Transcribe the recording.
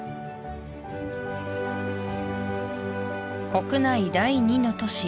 国内第２の都市